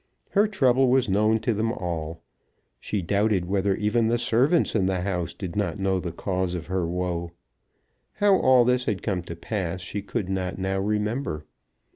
Her trouble was known to them all. She doubted whether even the servants in the house did not know the cause of her woe. How all this had come to pass she could not now remember.